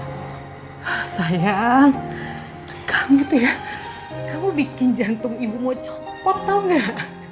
ah sayang kamu tuh ya kamu bikin jantung ibu mau copot tau nggak